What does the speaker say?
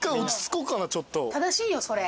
正しいよそれ。